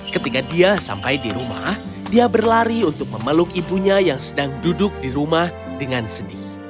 ketika dia sampai di rumah dia berlari untuk memeluk ibunya yang sedang duduk di rumah dengan sedih